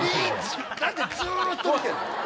何でずっと見てんの？